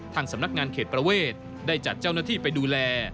สำนักงานเขตประเวทได้จัดเจ้าหน้าที่ไปดูแล